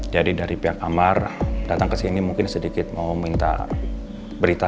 jadi dari pihak amar datang ke sini mungkin sedikit mau minta berita